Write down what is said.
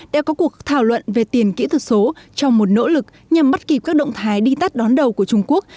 đã có cuộc thảo luận về tiền kỹ thuật số trong một nỗ lực nhằm bắt kịp các động thái đi tắt đón đầu của trung quốc